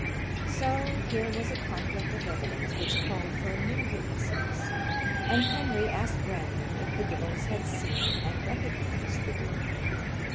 So here was a conflict of evidence which called for new witnesses, and Henry asked Brandon if the girls had seen and recognized the duke.